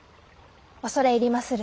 恐れ入りまする。